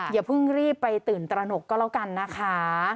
อย่าเพิ่งรีบไปตื่นตระหนกก็แล้วกันนะคะ